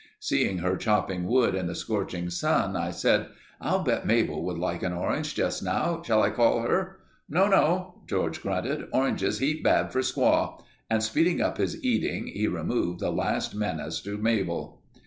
Seeing her chopping wood in the scorching sun I said, "I'll bet Mabel would like an orange just now. Shall I call her?" "No—no—" George grunted. "Oranges heap bad for squaw," and speeding up his eating, he removed the last menace to Mabel.